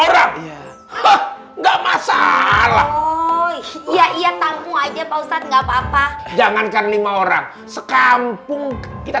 hai lima orang nggak masalah ya iya kamu aja pausat nggak papa jangankan lima orang sekampung kita